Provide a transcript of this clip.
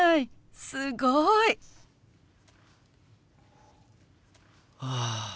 すごい！はあ。